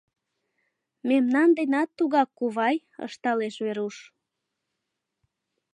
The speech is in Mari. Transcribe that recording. — Мемнан денат тугак, кувай, — ышталеш Веруш.